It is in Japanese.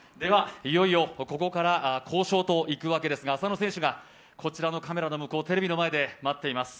いよいよここから交渉といくわけですが浅野選手がこちらのカメラの向こう、テレビの前で待っています。